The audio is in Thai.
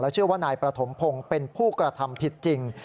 เชื่อว่านายประถมพงศ์เป็นผู้กระทำผิดจริง